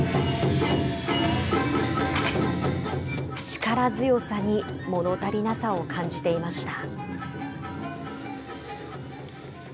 力強さにもの足りなさを感じていました。